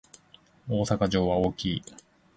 大阪城は大きい